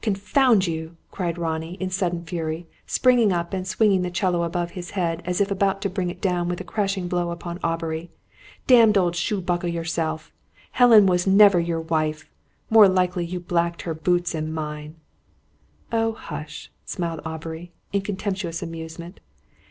"Confound you!" cried Ronnie, in sudden fury, springing up and swinging the 'cello above his head, as if about to bring it down, with a crashing blow, upon Aubrey. "Damned old shoe buckle yourself! Helen was never your wife! More likely you blacked her boots and mine!" "Oh, hush!" smiled Aubrey, in contemptuous amusement.